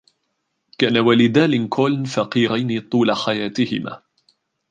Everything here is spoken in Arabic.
كان والدا لنكولن فقيرين طول حياتهما.